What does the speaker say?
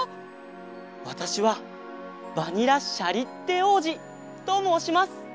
わたしはバニラ・シャリッテおうじともうします。